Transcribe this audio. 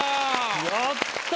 やった！